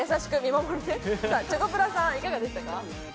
チョコプラさん、いかがですか？